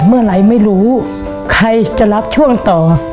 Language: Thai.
เมื่อไหร่ไม่รู้ใครจะรับช่วงต่อ